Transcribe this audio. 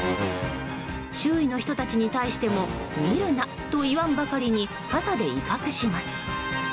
周囲の人たちに対しても見るなと言わんばかりに傘で威嚇します。